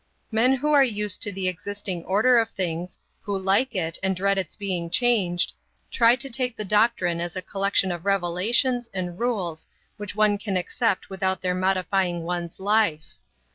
Men who are used to the existing order of things, who like it and dread its being changed, try to take the doctrine as a collection of revelations and rules which one can accept without their modifying one's life.